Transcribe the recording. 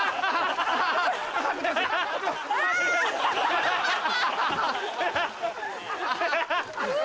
あ！ハハハ！